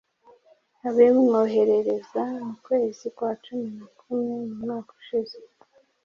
abimwoherereza mu kwezi kwa cumi na kumwe mu mwaka ushize